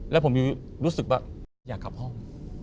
แล้วผมยังรู้สึกว่าอยากกลับห้อง